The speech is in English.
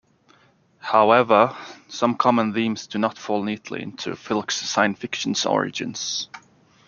However, some common themes do not fall neatly into filk's science fiction origins.